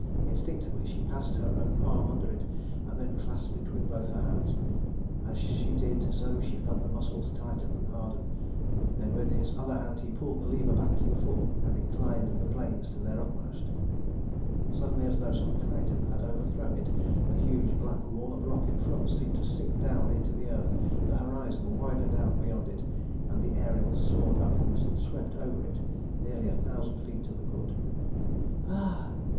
Instinctively she passed her own arm under it, and then clasped it with both her hands. As she did so she felt the muscles tighten and harden. Then with his other hand he pulled the lever back to the full, and inclined the planes to their utmost. Suddenly, as though some Titan had overthrown it, the huge black wall of rock in front seemed to sink down into the earth, the horizon widened out beyond it, and the Ariel soared upwards and swept over it nearly a thousand feet to the good. "Ah!"